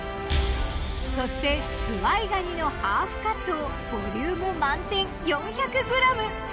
そしてずわいがにのハーフカットをボリューム満点４００ｇ！